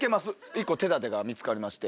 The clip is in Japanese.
１個手だてが見つかりまして。